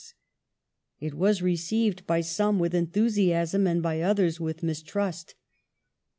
It was received by some with enthusi asm, and by others with mistrust.